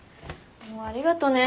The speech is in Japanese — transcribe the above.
もうありがとね。